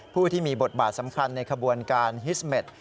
ผู้ที่มีบทบาทสำคัญในขบวนการฮิสเม็ด